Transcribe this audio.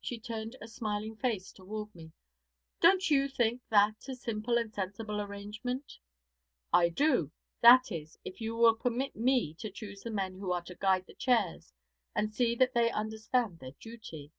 She turned a smiling face toward me. 'Don't you think that a simple and sensible arrangement?' 'I do; that is, if you will permit me to choose the men who are to guide the chairs and see that they understand their duty.'